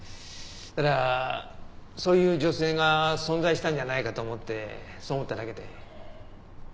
ただそういう女性が存在したんじゃないかと思ってそう思っただけで。